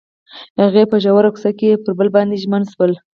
هغوی په ژور کوڅه کې پر بل باندې ژمن شول.